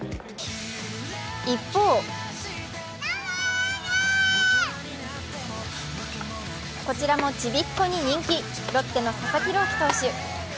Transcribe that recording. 一方、こちらもちびっ子に人気、ロッテの佐々木朗希投手。